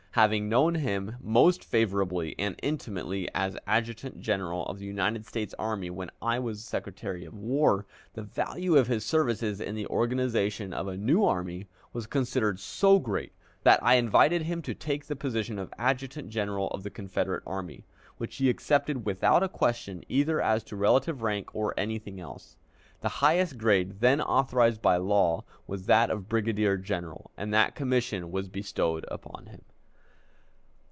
Having known him most favorably and intimately as Adjutant General of the United States Army when I was Secretary of War, the value of his services in the organization of a new army was considered so great that I invited him to take the position of Adjutant General of the Confederate Army, which he accepted without a question either as to relative rank or anything else. The highest grade then authorized by law was that of brigadier general, and that commission was bestowed upon him.